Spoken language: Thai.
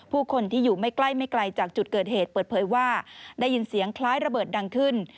ผู้คนที่อยู่ไม่ใกล้ไม่ไกลจากจุดเกิดเหตุเปิดเผยว่าได้ยินเสียงคล้ายระเบิดดังขึ้น